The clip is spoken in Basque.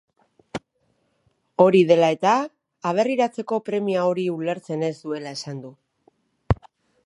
Hori dela eta, aberriratzeko premia hori ulertzu ez duela esan du.